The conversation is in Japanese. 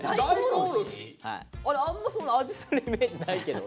あれあんまそんな味するイメージないけど。